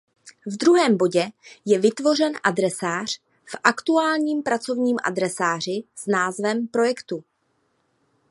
V druhém bodě je vytvořen adresář v aktuálním pracovním adresáři s názvem projektu.